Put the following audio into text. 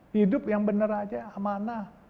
hidup yang benar aja amanah